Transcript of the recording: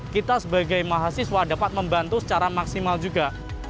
kita sebagai mahasiswa dapat membantu secara maksimal juga